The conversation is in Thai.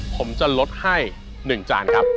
ผมจะลดให้๑จานครับ